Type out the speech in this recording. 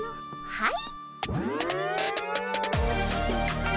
はい。